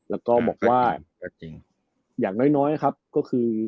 แล้วก็บอกว่าอย่างน้อยครับก็คือ